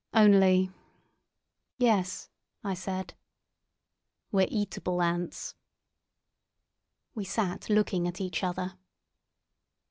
Only——" "Yes," I said. "We're eatable ants." We sat looking at each other.